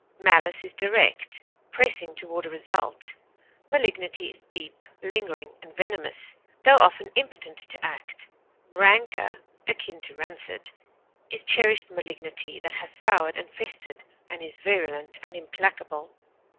Malice is direct, pressing toward a result; malignity is deep, lingering, and venomous, tho often impotent to act; rancor (akin to rancid) is cherished malignity that has soured and festered and is virulent and implacable.